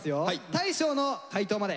大昇の解答まで。